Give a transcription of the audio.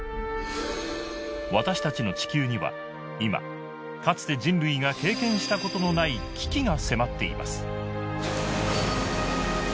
私たちの地球にはいまかつて人類が経験したことのない「危機」が迫っています